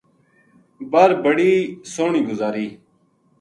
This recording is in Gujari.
بر بڑی سوہنی گزاری